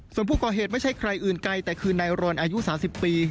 ส่วนผู้ก่อเหตุไม่ใช่ใครอื่นไกลแต่คือนายรอนอายุ๓๐ปี